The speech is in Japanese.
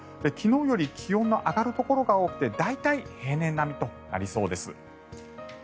昨日より気温が上がるところが多くて大体、平年並みとなりそうです。